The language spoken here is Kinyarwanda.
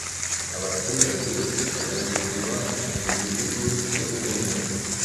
abaturage bagatuzwa mu midugudu yabugenewe